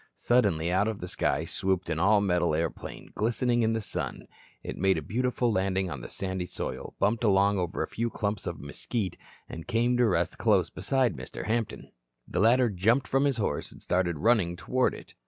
Suddenly out of the sky swooped an all metal airplane, glistening in the sun. It made a beautiful landing on the sandy soil, bumped along over a few clumps of mesquite, and came to rest close beside Mr. Hampton. The latter jumped from his horse, and started running toward it.